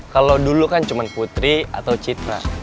kalo dulu kan cuman putri atau citra